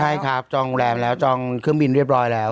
ใช่ครับจองโรงแรมแล้วจองเครื่องบินเรียบร้อยแล้ว